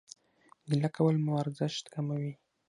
ګيله کول مو ارزښت کموي